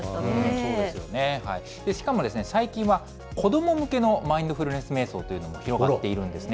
そうですよね、しかも最近は、子ども向けのマインドフルネスめい想というのも広がっているんですね。